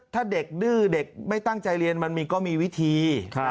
ถ้าเด็กดื้อเด็กไม่ตั้งใจเรียนมันก็มีวิธี